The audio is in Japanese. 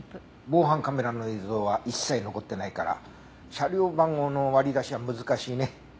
防犯カメラの映像は一切残ってないから車両番号の割り出しは難しいね。